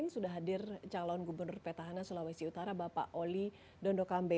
sudah hadir calon gubernur petahana sulawesi utara bapak oli dondokambe